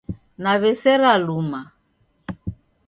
Naw'esera luma